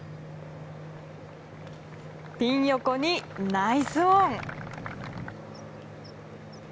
ピン横にナイスオン。